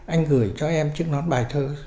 anh gửi cho em chiếc nón bài thơ